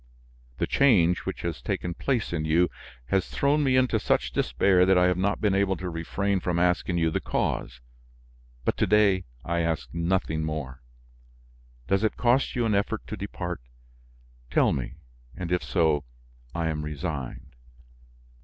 The change which has taken place in you has thrown me into such despair that I have not been able to refrain from asking you the cause; but to day I ask nothing more. Does it cost you an effort to depart? Tell me, and if so, I am resigned."